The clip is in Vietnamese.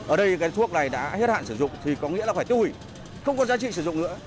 ở đây cái thuốc này đã hết hạn sử dụng thì có nghĩa là phải tiêu hủy không có giá trị sử dụng nữa